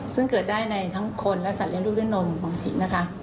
ซึ่งเกิดได้ในทั้งคนและสัตเลี้ยลูกด้วยนมบางทีนะคะ